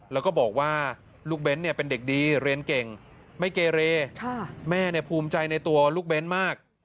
แล้วก็บอกว่าลูกเบ้นเป็นเด็กดีเรียนเก่งไม่เกเรแม่ภูมิใจในตัวลูกเบ้นมาก